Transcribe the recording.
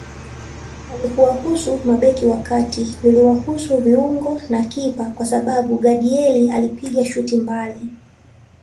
Halikuwahusu mabeki wa kati liliwahusu viungo na kipa kwa sababu Gadiel alipiga shuti mbali